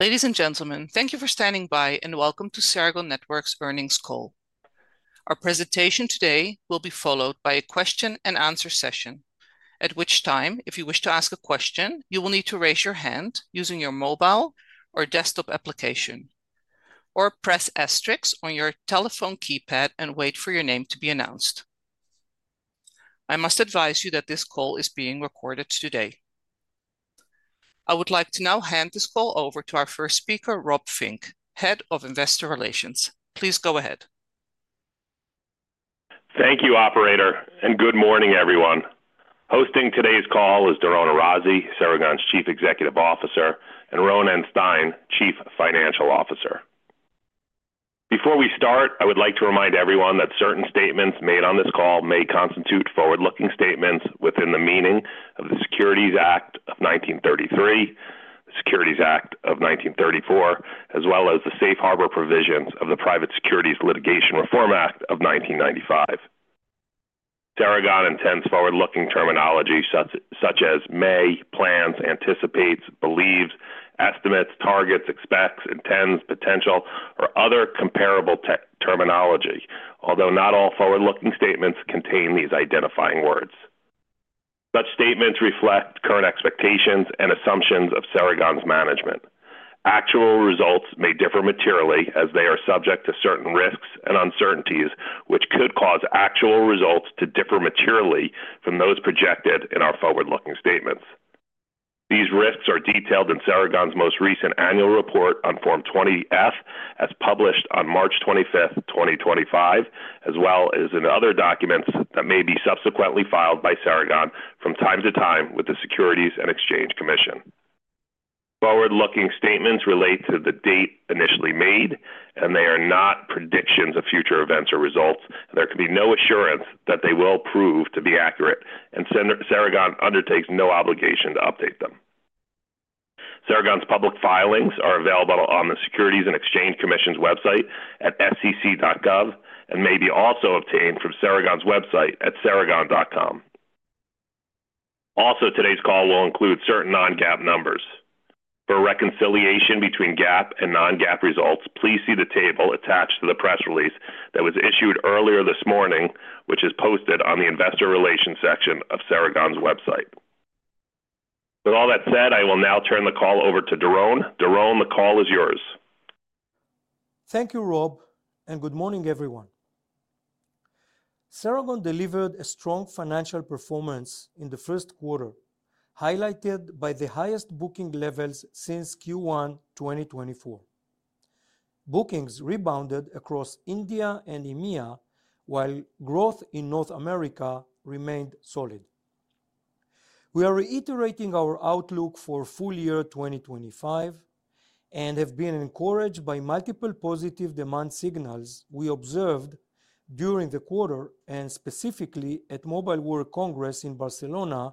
Ladies and gentlemen, thank you for standing by and welcome to Ceragon Networks' earnings call. Our presentation today will be followed by a question-and-answer session, at which time, if you wish to ask a question, you will need to raise your hand using your mobile or desktop application, or press asterisk on your telephone keypad and wait for your name to be announced. I must advise you that this call is being recorded today. I would like to now hand this call over to our first speaker, Rob Fink, Head of Investor Relations. Please go ahead. Thank you, Operator, and good morning, everyone. Hosting today's call is Doron Arazi, Ceragon's Chief Executive Officer, and Ronen Stein, Chief Financial Officer. Before we start, I would like to remind everyone that certain statements made on this call may constitute forward-looking statements within the meaning of the Securities Act of 1933, the Securities Act of 1934, as well as the Safe Harbor Provisions of the Private Securities Litigation Reform Act of 1995. Ceragon intends forward-looking terminology such as may, plans, anticipates, believes, estimates, targets, expects, intends, potential, or other comparable terminology, although not all forward-looking statements contain these identifying words. Such statements reflect current expectations and assumptions of Ceragon's management. Actual results may differ materially as they are subject to certain risks and uncertainties which could cause actual results to differ materially from those projected in our forward-looking statements. These risks are detailed in Ceragon's most recent annual report on Form 20-F, as published on March 25, 2025, as well as in other documents that may be subsequently filed by Ceragon from time to time with the Securities and Exchange Commission. Forward-looking statements relate to the date initially made, and they are not predictions of future events or results. There can be no assurance that they will prove to be accurate, and Ceragon undertakes no obligation to update them. Ceragon's public filings are available on the Securities and Exchange Commission's website at sec.gov and may be also obtained from Ceragon's website at ceragon.com. Also, today's call will include certain non-GAAP numbers. For reconciliation between GAAP and non-GAAP results, please see the table attached to the press release that was issued earlier this morning, which is posted on the Investor Relations section of Ceragon's website. With all that said, I will now turn the call over to Doron. Doron, the call is yours. Thank you, Rob, and good morning, everyone. Ceragon delivered a strong financial performance in the first quarter, highlighted by the highest booking levels since Q1 2024. Bookings rebounded across India and EMEA, while growth in North America remained solid. We are reiterating our outlook for full year 2025 and have been encouraged by multiple positive demand signals we observed during the quarter, and specifically at Mobile World Congress in Barcelona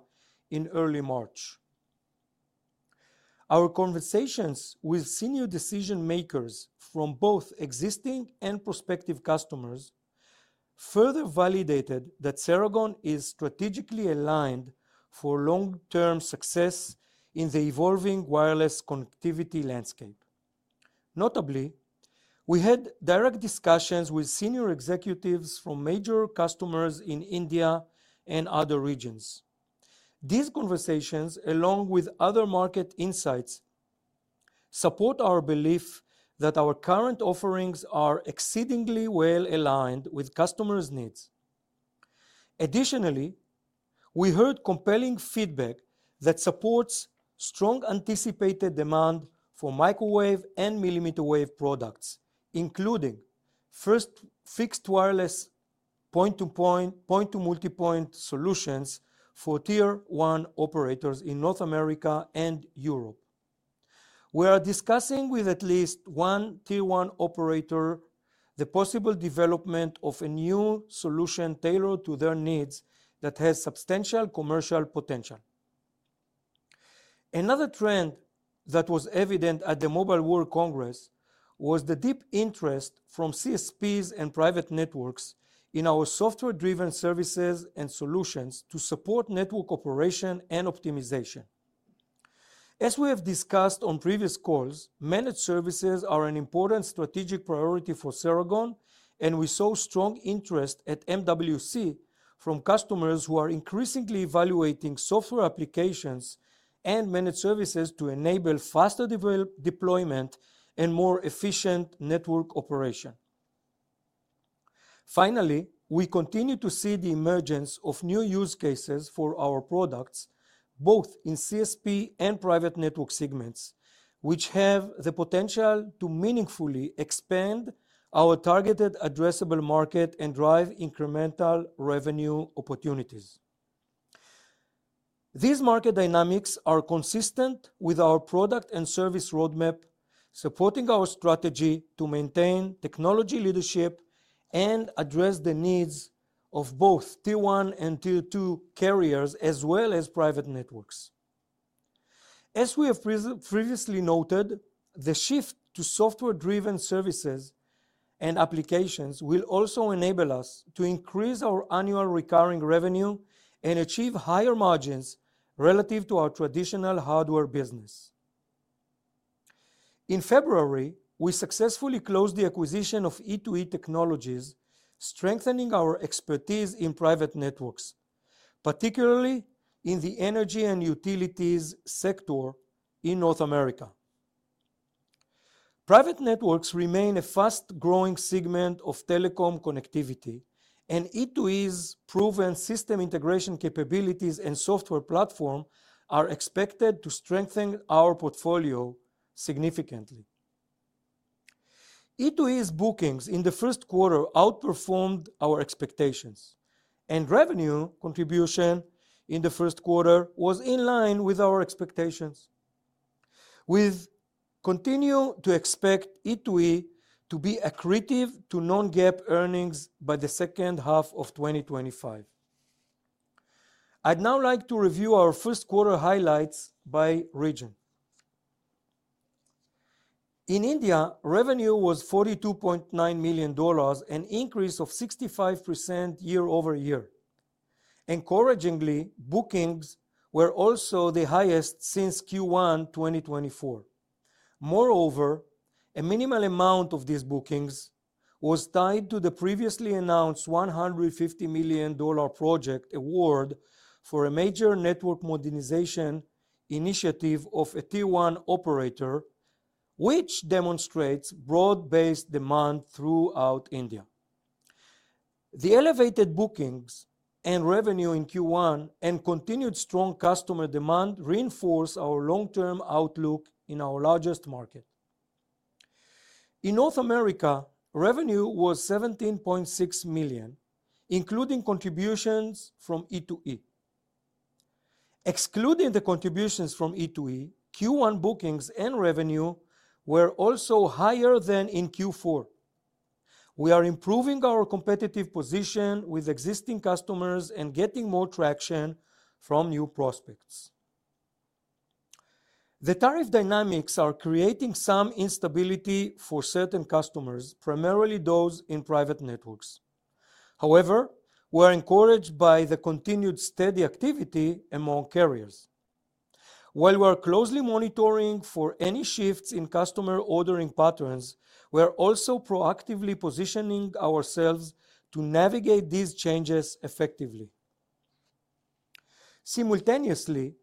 in early March. Our conversations with senior decision-makers from both existing and prospective customers further validated that Ceragon is strategically aligned for long-term success in the evolving wireless connectivity landscape. Notably, we had direct discussions with senior executives from major customers in India and other regions. These conversations, along with other market insights, support our belief that our current offerings are exceedingly well aligned with customers' needs. Additionally, we heard compelling feedback that supports strong anticipated demand for microwave and millimeter wave products, including first fixed wireless point-to-point, point-to-multipoint solutions for tier one operators in North America and Europe. We are discussing with at least one tier one operator the possible development of a new solution tailored to their needs that has substantial commercial potential. Another trend that was evident at the Mobile World Congress was the deep interest from CSPs and private networks in our software-driven services and solutions to support network operation and optimization. As we have discussed on previous calls, managed services are an important strategic priority for Ceragon, and we saw strong interest at MWC from customers who are increasingly evaluating software applications and managed services to enable faster deployment and more efficient network operation. Finally, we continue to see the emergence of new use cases for our products, both in CSP and private network segments, which have the potential to meaningfully expand our targeted addressable market and drive incremental revenue opportunities. These market dynamics are consistent with our product and service roadmap, supporting our strategy to maintain technology leadership and address the needs of both tier one and tier two carriers, as well as private networks. As we have previously noted, the shift to software-driven services and applications will also enable us to increase our annual recurring revenue and achieve higher margins relative to our traditional hardware business. In February, we successfully closed the acquisition of E2E Technologies, strengthening our expertise in private networks, particularly in the energy and utilities sector in North America. Private networks remain a fast-growing segment of telecom connectivity, and E2E's proven system integration capabilities and software platform are expected to strengthen our portfolio significantly. E2E's bookings in the first quarter outperformed our expectations, and revenue contribution in the first quarter was in line with our expectations, with continuing to expect E2E to be accretive to non-GAAP earnings by the second half of 2025. I'd now like to review our first quarter highlights by region. In India, revenue was $42.9 million, an increase of 65% year over year. Encouragingly, bookings were also the highest since Q1 2024. Moreover, a minimal amount of these bookings was tied to the previously announced $150 million project award for a major network modernization initiative of a tier one operator, which demonstrates broad-based demand throughout India. The elevated bookings and revenue in Q1 and continued strong customer demand reinforce our long-term outlook in our largest market. In North America, revenue was $17.6 million, including contributions from E2E. Excluding the contributions from E2E, Q1 bookings and revenue were also higher than in Q4. We are improving our competitive position with existing customers and getting more traction from new prospects. The tariff dynamics are creating some instability for certain customers, primarily those in private networks. However, we are encouraged by the continued steady activity among carriers. While we are closely monitoring for any shifts in customer ordering patterns, we are also proactively positioning ourselves to navigate these changes effectively. Simultaneously,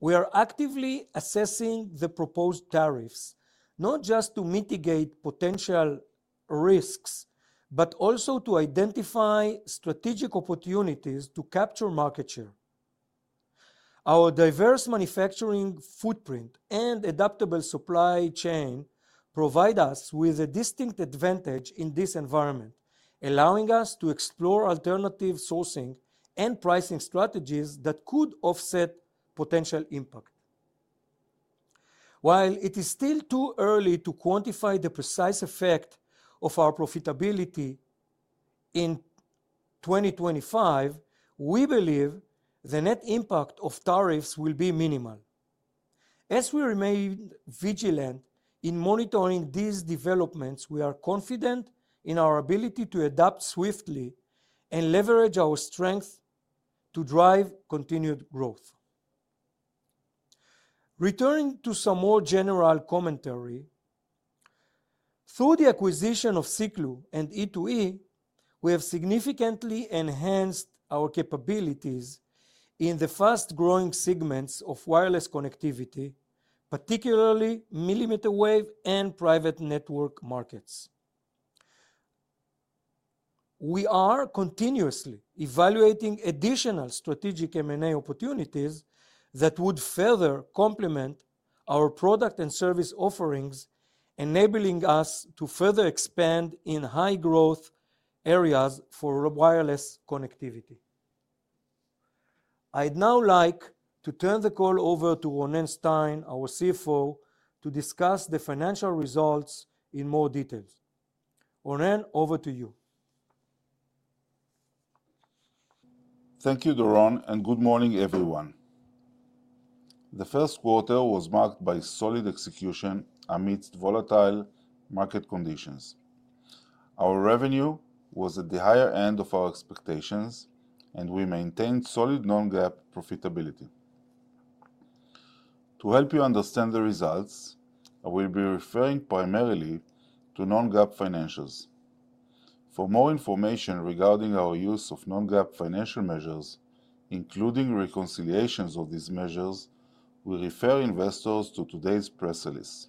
we are actively assessing the proposed tariffs, not just to mitigate potential risks, but also to identify strategic opportunities to capture market share. Our diverse manufacturing footprint and adaptable supply chain provide us with a distinct advantage in this environment, allowing us to explore alternative sourcing and pricing strategies that could offset potential impact. While it is still too early to quantify the precise effect of our profitability in 2025, we believe the net impact of tariffs will be minimal. As we remain vigilant in monitoring these developments, we are confident in our ability to adapt swiftly and leverage our strength to drive continued growth. Returning to some more general commentary, through the acquisition of Siklu and E2E, we have significantly enhanced our capabilities in the fast-growing segments of wireless connectivity, particularly millimeter wave and private network markets. We are continuously evaluating additional strategic M&A opportunities that would further complement our product and service offerings, enabling us to further expand in high-growth areas for wireless connectivity. I'd now like to turn the call over to Ronen Stein, our CFO, to discuss the financial results in more detail. Ronen, over to you. Thank you, Doron, and good morning, everyone. The first quarter was marked by solid execution amidst volatile market conditions. Our revenue was at the higher end of our expectations, and we maintained solid non-GAAP profitability. To help you understand the results, I will be referring primarily to non-GAAP financials. For more information regarding our use of non-GAAP financial measures, including reconciliations of these measures, we refer investors to today's press release.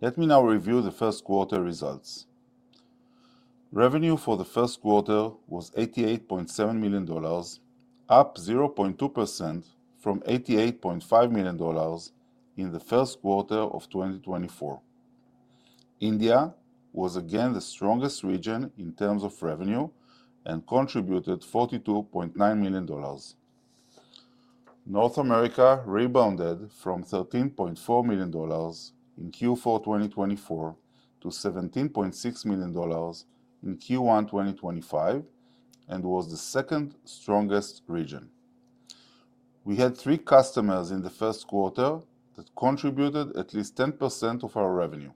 Let me now review the first quarter results. Revenue for the first quarter was $88.7 million, up 0.2% from $88.5 million in the first quarter of 2024. India was again the strongest region in terms of revenue and contributed $42.9 million. North America rebounded from $13.4 million in Q4 2024 to $17.6 million in Q1 2025 and was the second strongest region. We had three customers in the first quarter that contributed at least 10% of our revenue.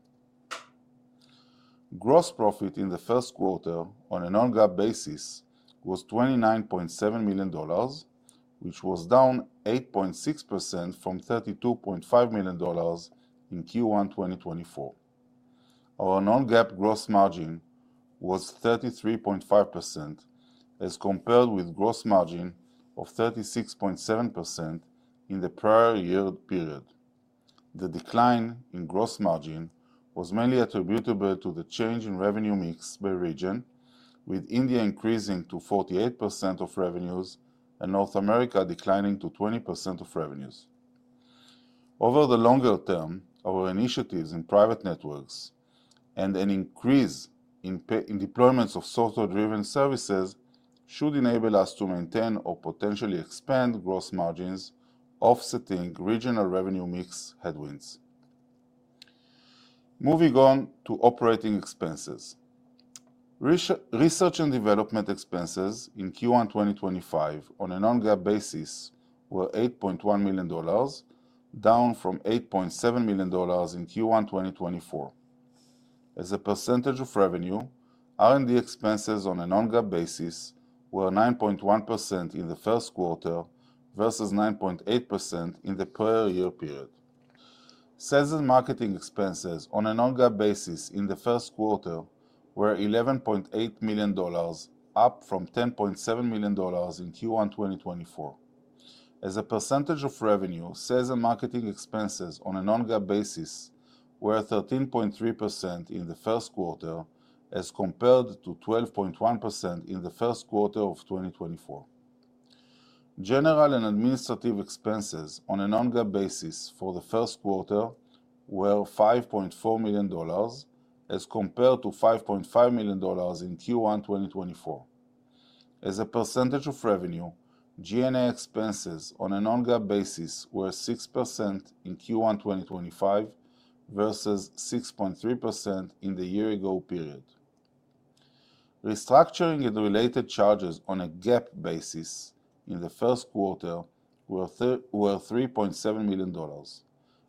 Gross profit in the first quarter on a non-GAAP basis was $29.7 million, which was down 8.6% from $32.5 million in Q1 2024. Our non-GAAP gross margin was 33.5% as compared with a gross margin of 36.7% in the prior year period. The decline in gross margin was mainly attributable to the change in revenue mix by region, with India increasing to 48% of revenues and North America declining to 20% of revenues. Over the longer term, our initiatives in private networks and an increase in deployments of software-driven services should enable us to maintain or potentially expand gross margins, offsetting regional revenue mix headwinds. Moving on to operating expenses. Research and development expenses in Q1 2025 on a non-GAAP basis were $8.1 million, down from $8.7 million in Q1 2024. As a percentage of revenue, R&D expenses on a non-GAAP basis were 9.1% in the first quarter versus 9.8% in the prior year period. Sales and marketing expenses on a non-GAAP basis in the first quarter were $11.8 million, up from $10.7 million in Q1 2024. As a percentage of revenue, sales and marketing expenses on a non-GAAP basis were 13.3% in the first quarter, as compared to 12.1% in the first quarter of 2024. General and administrative expenses on a non-GAAP basis for the first quarter were $5.4 million, as compared to $5.5 million in Q1 2024. As a percentage of revenue, G&A expenses on a non-GAAP basis were 6% in Q1 2025 versus 6.3% in the year-ago period. Restructuring and related charges on a GAAP basis in the first quarter were $3.7 million,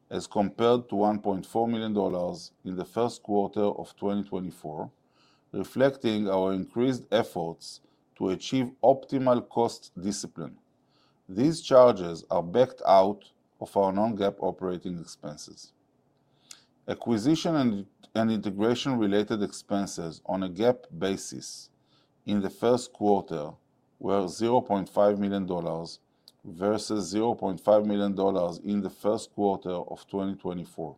as compared to $1.4 million in the first quarter of 2024, reflecting our increased efforts to achieve optimal cost discipline. These charges are backed out of our non-GAAP operating expenses. Acquisition and integration-related expenses on a GAAP basis in the first quarter were $0.5 million versus $0.5 million in the first quarter of 2024.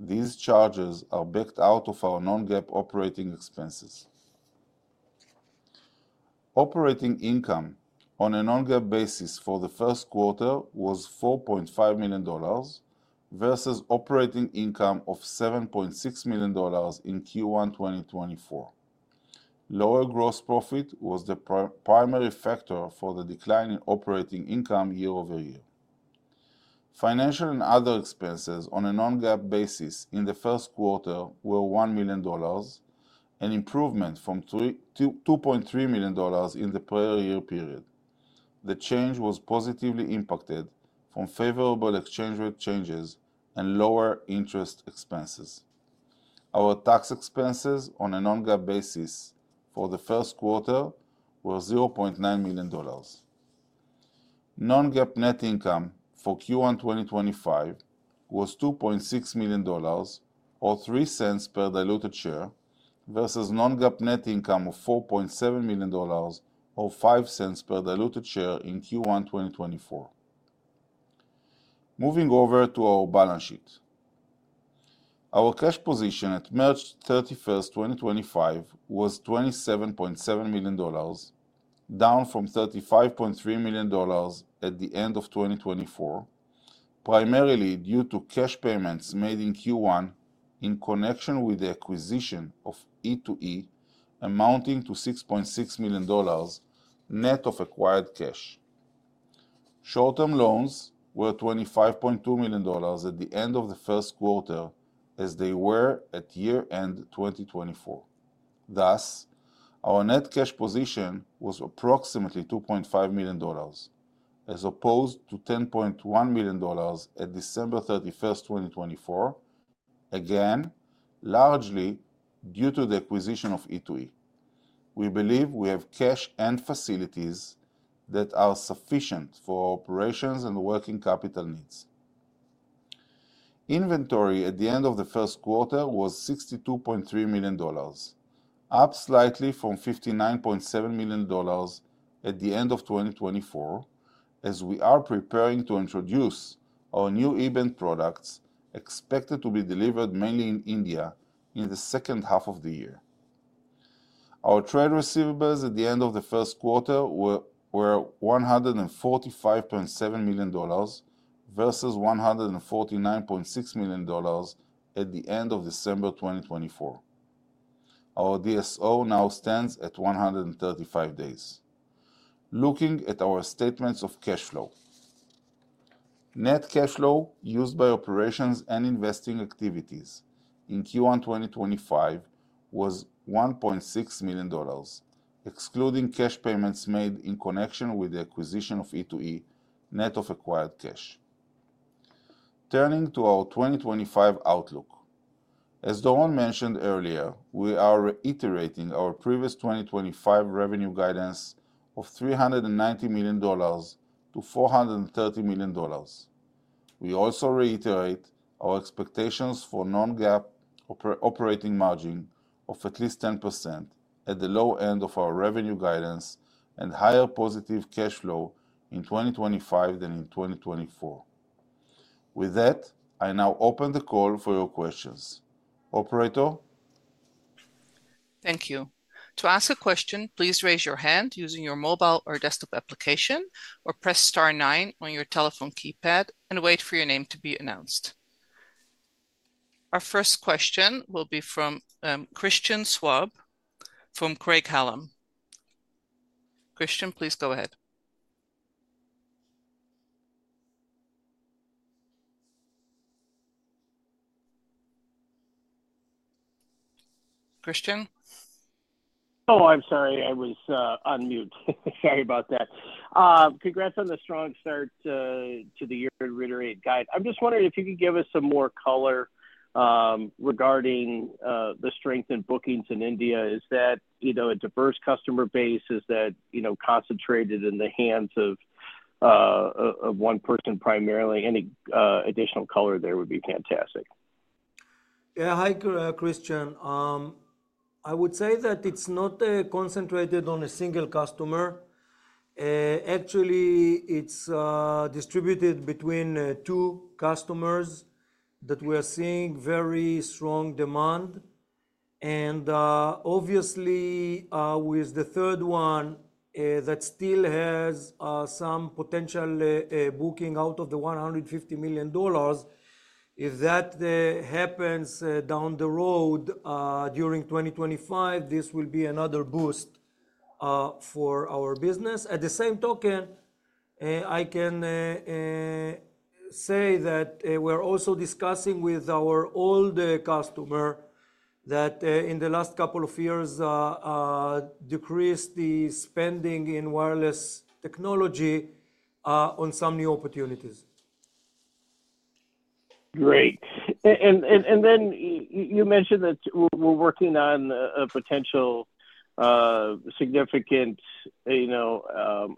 These charges are backed out of our non-GAAP operating expenses. Operating income on a non-GAAP basis for the first quarter was $4.5 million versus operating income of $7.6 million in Q1 2024. Lower gross profit was the primary factor for the decline in operating income year over year. Financial and other expenses on a non-GAAP basis in the first quarter were $1 million, an improvement from $2.3 million in the prior year period. The change was positively impacted from favorable exchange rate changes and lower interest expenses. Our tax expenses on a non-GAAP basis for the first quarter were $0.9 million. Non-GAAP net income for Q1 2025 was $2.6 million, or $0.03 per diluted share, versus non-GAAP net income of $4.7 million, or $0.05 per diluted share in Q1 2024. Moving over to our balance sheet. Our cash position at March 31, 2025, was $27.7 million, down from $35.3 million at the end of 2024, primarily due to cash payments made in Q1 in connection with the acquisition of E2E amounting to $6.6 million net of acquired cash. Short-term loans were $25.2 million at the end of the first quarter, as they were at year-end 2024. Thus, our net cash position was approximately $2.5 million, as opposed to $10.1 million at December 31, 2024, again largely due to the acquisition of E2E. We believe we have cash and facilities that are sufficient for our operations and working capital needs. Inventory at the end of the first quarter was $62.3 million, up slightly from $59.7 million at the end of 2024, as we are preparing to introduce our new EBAN products expected to be delivered mainly in India in the second half of the year. Our trade receivables at the end of the first quarter were $145.7 million versus $149.6 million at the end of December 2024. Our DSO now stands at 135 days. Looking at our statements of cash flow, net cash flow used by operations and investing activities in Q1 2025 was $1.6 million, excluding cash payments made in connection with the acquisition of E2E net of acquired cash. Turning to our 2025 outlook, as Doron mentioned earlier, we are reiterating our previous 2025 revenue guidance of $390 million-$430 million. We also reiterate our expectations for non-GAAP operating margin of at least 10% at the low end of our revenue guidance and higher positive cash flow in 2025 than in 2024. With that, I now open the call for your questions. Operator. Thank you. To ask a question, please raise your hand using your mobile or desktop application, or press star nine on your telephone keypad and wait for your name to be announced. Our first question will be from Christian Schwab from Craig-Hallum. Christian, please go ahead. Christian? Oh, I'm sorry. I was on mute. Sorry about that. Congrats on the strong start to the year-to-year guide. I'm just wondering if you could give us some more color regarding the strength in bookings in India. Is that a diverse customer base? Is that concentrated in the hands of one person primarily? Any additional color there would be fantastic. Yeah, hi, Christian. I would say that it's not concentrated on a single customer. Actually, it's distributed between two customers that we are seeing very strong demand. Obviously, with the third one that still has some potential booking out of the $150 million, if that happens down the road during 2025, this will be another boost for our business. At the same token, I can say that we're also discussing with our old customer that in the last couple of years, decreased the spending in wireless technology on some new opportunities. Great. You mentioned that we're working on a potential significant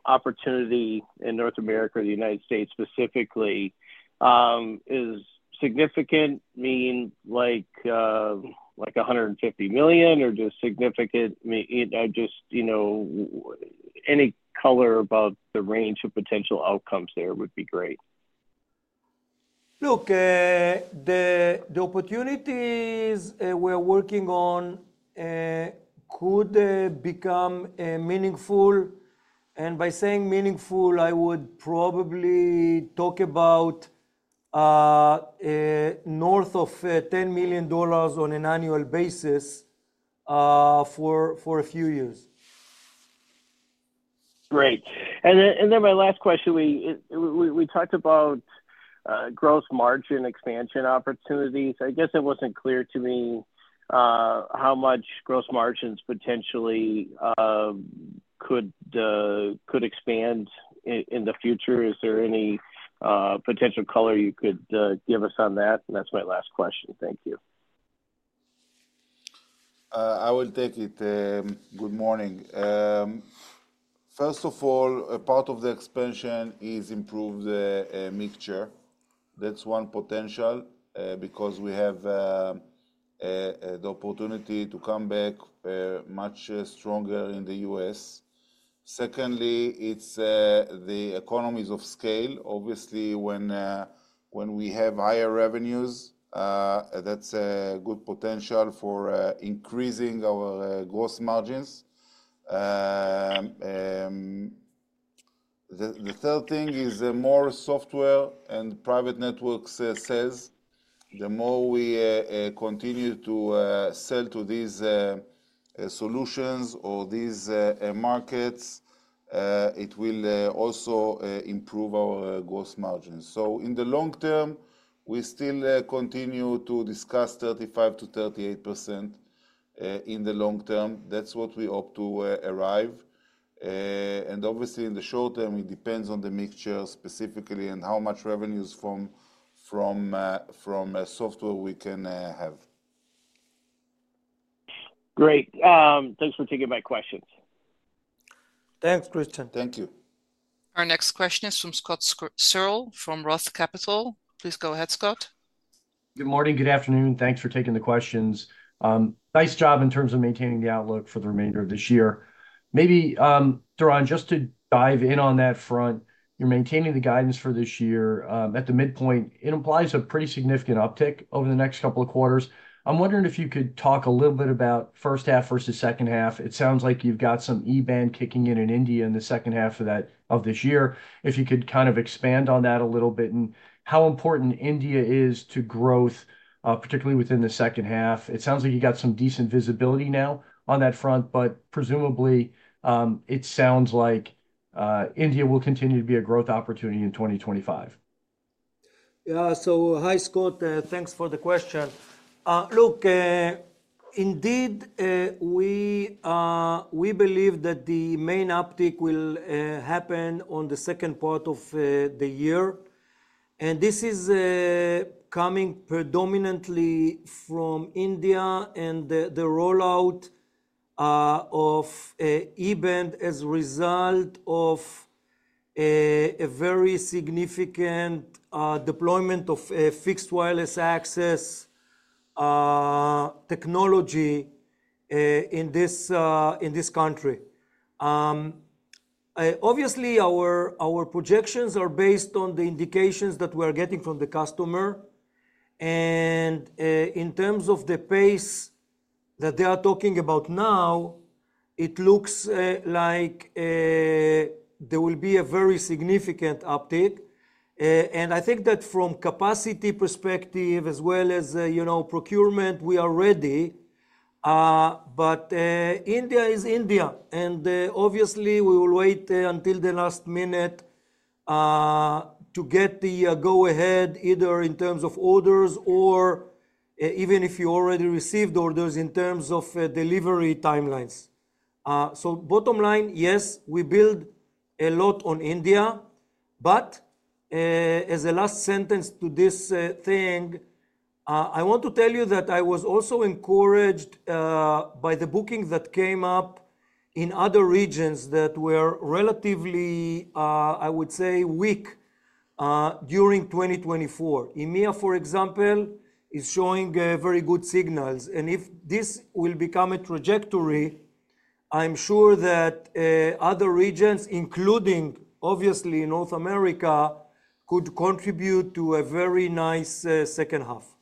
opportunity in North America or the United States specifically. Is significant mean like $150 million or just significant? Just any color about the range of potential outcomes there would be great. Look, the opportunities we're working on could become meaningful. By saying meaningful, I would probably talk about north of $10 million on an annual basis for a few years. Great. Then my last question, we talked about gross margin expansion opportunities. I guess it was not clear to me how much gross margins potentially could expand in the future. Is there any potential color you could give us on that? That is my last question. Thank you. I will take it. Good morning. First of all, part of the expansion is improved mixture. That's one potential because we have the opportunity to come back much stronger in the U.S. Secondly, it's the economies of scale. Obviously, when we have higher revenues, that's a good potential for increasing our gross margins. The third thing is more software and private networks sales. The more we continue to sell to these solutions or these markets, it will also improve our gross margins. In the long term, we still continue to discuss 35%-38% in the long term. That's what we hope to arrive. Obviously, in the short term, it depends on the mixture specifically and how much revenues from software we can have. Great. Thanks for taking my questions. Thanks, Christian. Thank you. Our next question is from Scott Searle from Roth Capital. Please go ahead, Scott. Good morning. Good afternoon. Thanks for taking the questions. Nice job in terms of maintaining the outlook for the remainder of this year. Maybe, Doron, just to dive in on that front, you're maintaining the guidance for this year at the midpoint. It implies a pretty significant uptick over the next couple of quarters. I'm wondering if you could talk a little bit about first half versus second half. It sounds like you've got some EBAN kicking in in India in the second half of this year. If you could kind of expand on that a little bit and how important India is to growth, particularly within the second half. It sounds like you got some decent visibility now on that front, but presumably it sounds like India will continue to be a growth opportunity in 2025. Yeah. So hi, Scott. Thanks for the question. Look, indeed, we believe that the main uptick will happen on the second part of the year. This is coming predominantly from India and the rollout of EBAN as a result of a very significant deployment of fixed wireless access technology in this country. Obviously, our projections are based on the indications that we are getting from the customer. In terms of the pace that they are talking about now, it looks like there will be a very significant uptick. I think that from a capacity perspective, as well as procurement, we are ready. India is India. Obviously, we will wait until the last minute to get the go-ahead, either in terms of orders or even if you already received orders in terms of delivery timelines. Bottom line, yes, we build a lot on India. As a last sentence to this thing, I want to tell you that I was also encouraged by the booking that came up in other regions that were relatively, I would say, weak during 2024. EMEA, for example, is showing very good signals. If this will become a trajectory, I'm sure that other regions, including, obviously, North America, could contribute to a very nice second half.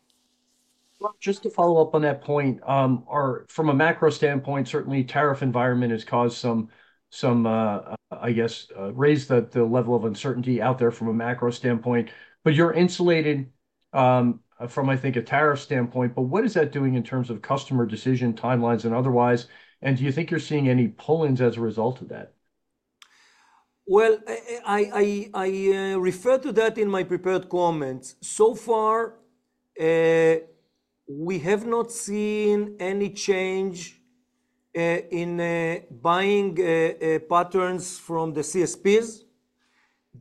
Just to follow up on that point, from a macro standpoint, certainly tariff environment has caused some, I guess, raised the level of uncertainty out there from a macro standpoint. You are insulated from, I think, a tariff standpoint. What is that doing in terms of customer decision timelines and otherwise? Do you think you are seeing any pullings as a result of that? I refer to that in my prepared comments. So far, we have not seen any change in buying patterns from the CSPs.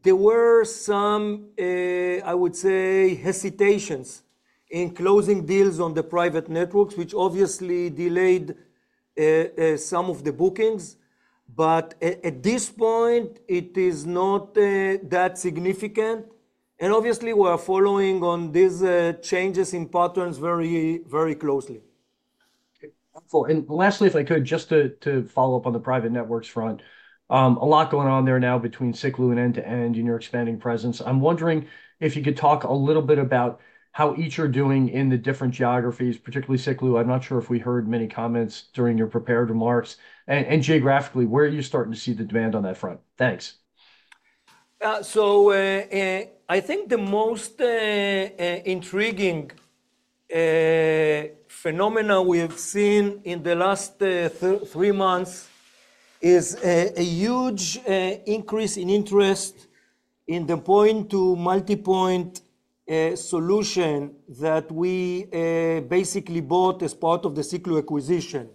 There were some, I would say, hesitations in closing deals on the private networks, which obviously delayed some of the bookings. At this point, it is not that significant. Obviously, we are following on these changes in patterns very closely. Wonderful. Lastly, if I could, just to follow up on the private networks front, a lot going on there now between Siklu and E2E in your expanding presence. I'm wondering if you could talk a little bit about how each are doing in the different geographies, particularly Siklu. I'm not sure if we heard many comments during your prepared remarks. Geographically, where are you starting to see the demand on that front? Thanks. I think the most intriguing phenomena we have seen in the last three months is a huge increase in interest in the point-to-multipoint solution that we basically bought as part of the Siklu acquisition.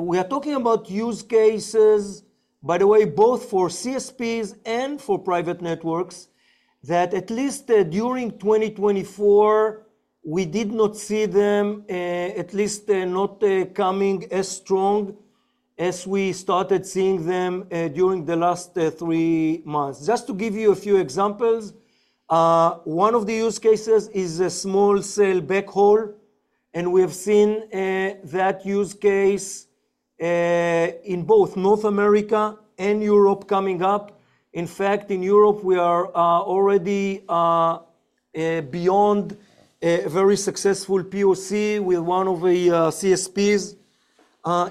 We are talking about use cases, by the way, both for CSPs and for private networks, that at least during 2024, we did not see them, at least not coming as strong as we started seeing them during the last three months. Just to give you a few examples, one of the use cases is a small cell backhaul. We have seen that use case in both North America and Europe coming up. In fact, in Europe, we are already beyond a very successful POC with one of the CSPs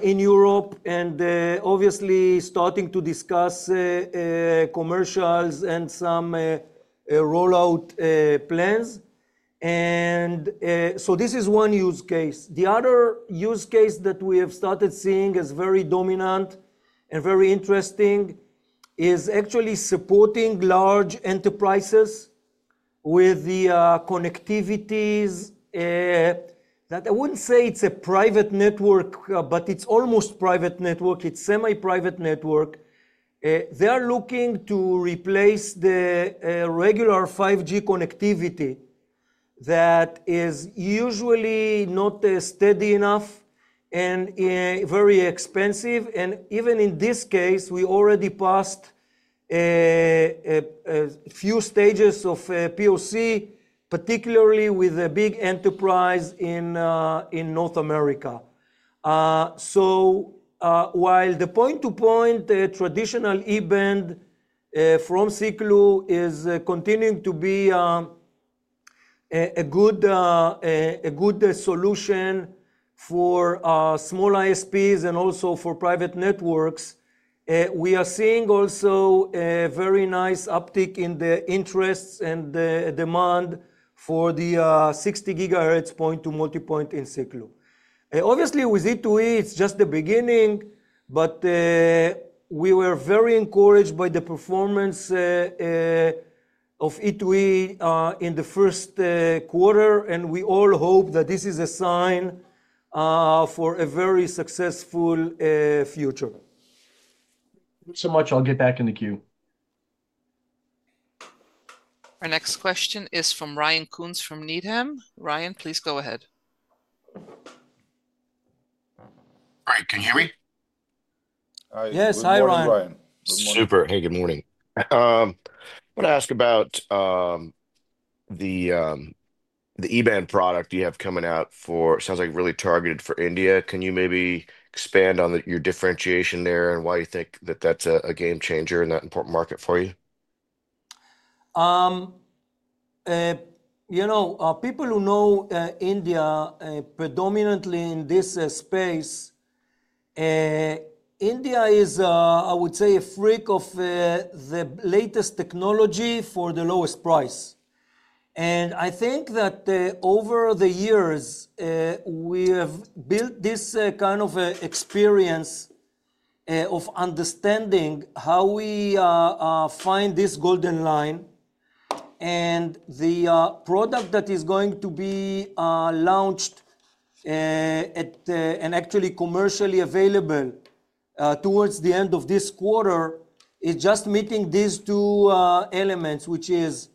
in Europe and obviously starting to discuss commercials and some rollout plans. This is one use case. The other use case that we have started seeing as very dominant and very interesting is actually supporting large enterprises with the connectivities that I wouldn't say it's a private network, but it's almost private network. It's semi-private network. They are looking to replace the regular 5G connectivity that is usually not steady enough and very expensive. Even in this case, we already passed a few stages of POC, particularly with a big enterprise in North America. While the point-to-point traditional EBAN from Siklu is continuing to be a good solution for small ISPs and also for private networks, we are seeing also a very nice uptick in the interests and demand for the 60 gigahertz point-to-multipoint in Siklu. Obviously, with E2E, it's just the beginning, but we were very encouraged by the performance of E2E in the first quarter. We all hope that this is a sign for a very successful future. Thanks so much. I'll get back in the queue. Our next question is from Ryan Koontz from Needham. Ryan, please go ahead. Hi. Can you hear me? Yes. Hi, Ryan. Super. Hey, good morning. I want to ask about the EBAN product you have coming out for, it sounds like really targeted for India. Can you maybe expand on your differentiation there and why you think that that's a game changer in that important market for you? You know, people who know India predominantly in this space, India is, I would say, a freak of the latest technology for the lowest price. I think that over the years, we have built this kind of experience of understanding how we find this golden line. The product that is going to be launched and actually commercially available towards the end of this quarter is just meeting these two elements, which is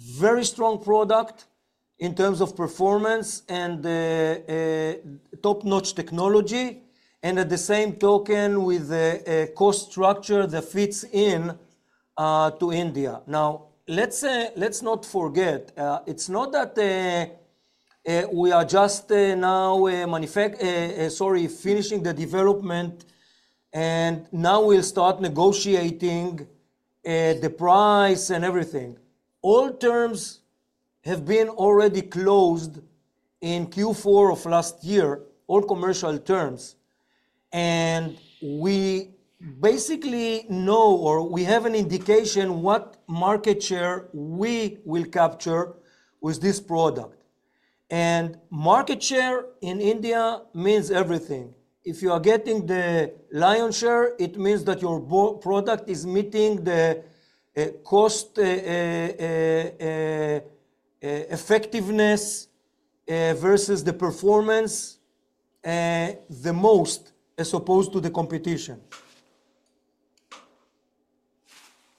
a very strong product in terms of performance and top-notch technology, and at the same token with a cost structure that fits into India. Now, let's not forget, it's not that we are just now finishing the development and now we'll start negotiating the price and everything. All terms have been already closed in Q4 of last year, all commercial terms. We basically know or we have an indication of what market share we will capture with this product. Market share in India means everything. If you are getting the lion's share, it means that your product is meeting the cost effectiveness versus the performance the most as opposed to the competition.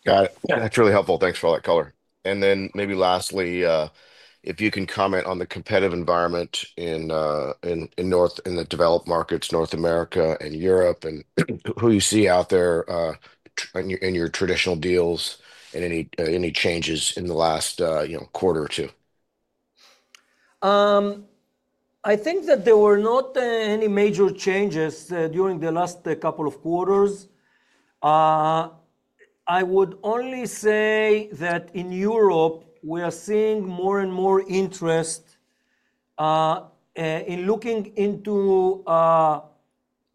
Got it. That's really helpful. Thanks for all that color. Maybe lastly, if you can comment on the competitive environment in the developed markets, North America and Europe, and who you see out there in your traditional deals and any changes in the last quarter or two. I think that there were not any major changes during the last couple of quarters. I would only say that in Europe, we are seeing more and more interest in looking into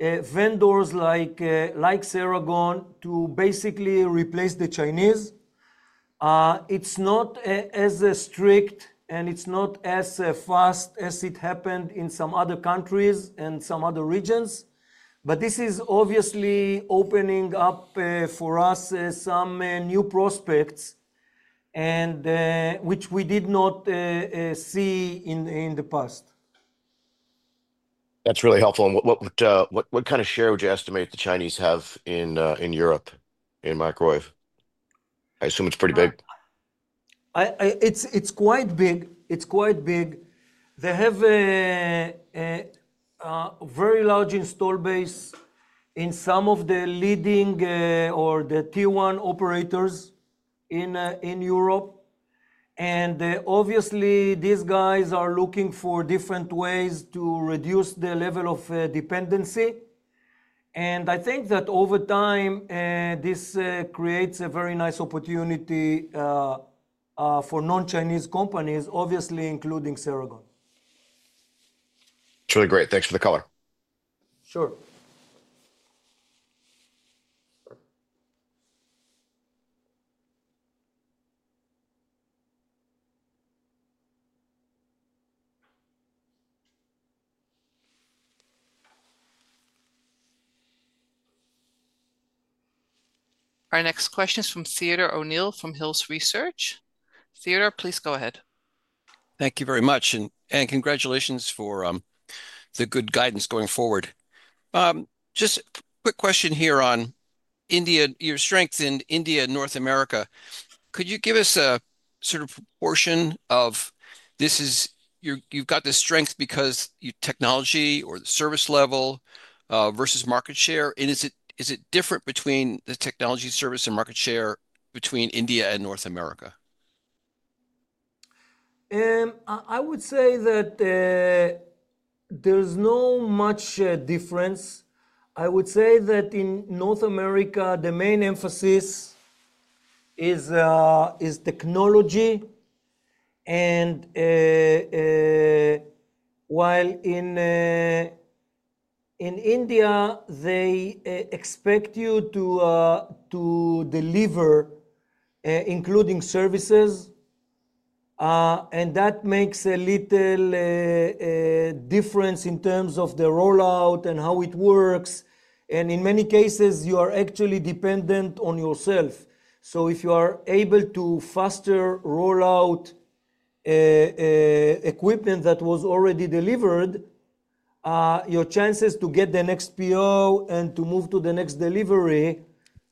vendors like Ceragon to basically replace the Chinese. It is not as strict and it is not as fast as it happened in some other countries and some other regions. This is obviously opening up for us some new prospects, which we did not see in the past. That's really helpful. What kind of share would you estimate the Chinese have in Europe in microwave? I assume it's pretty big. It's quite big. They have a very large install base in some of the leading or the T1 operators in Europe. Obviously, these guys are looking for different ways to reduce the level of dependency. I think that over time, this creates a very nice opportunity for non-Chinese companies, obviously including Ceragon. Truly great. Thanks for the color. Sure. Our next question is from Theodore O'Neill from Hills Research. Theodore, please go ahead. Thank you very much. Congratulations for the good guidance going forward. Just a quick question here on India, your strength in India and North America. Could you give us a sort of proportion of this? Is it you've got this strength because of technology or the service level versus market share? Is it different between the technology, service, and market share between India and North America? I would say that there's not much difference. I would say that in North America, the main emphasis is technology. While in India, they expect you to deliver, including services. That makes a little difference in terms of the rollout and how it works. In many cases, you are actually dependent on yourself. If you are able to faster rollout equipment that was already delivered, your chances to get the next PO and to move to the next delivery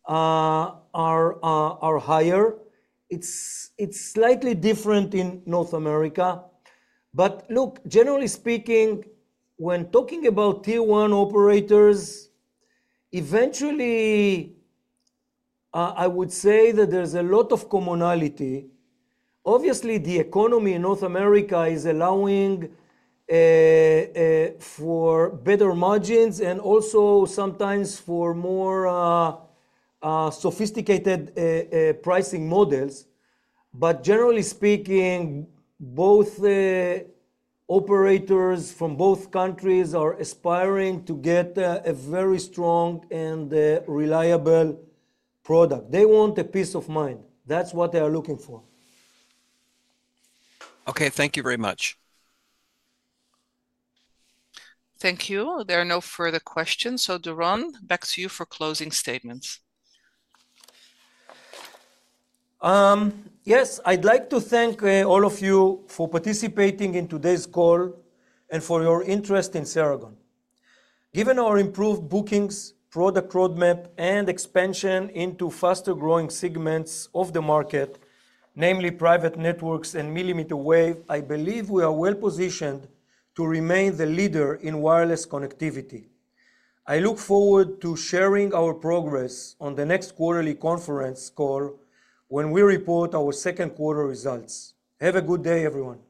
are higher. It's slightly different in North America. Generally speaking, when talking about T1 operators, eventually, I would say that there's a lot of commonality. Obviously, the economy in North America is allowing for better margins and also sometimes for more sophisticated pricing models. Generally speaking, both operators from both countries are aspiring to get a very strong and reliable product. They want peace of mind. That's what they are looking for. Okay. Thank you very much. Thank you. There are no further questions. Doron, back to you for closing statements. Yes. I'd like to thank all of you for participating in today's call and for your interest in Ceragon. Given our improved bookings, product roadmap, and expansion into faster growing segments of the market, namely private networks and millimeter wave, I believe we are well positioned to remain the leader in wireless connectivity. I look forward to sharing our progress on the next quarterly conference call when we report our second quarter results. Have a good day, everyone.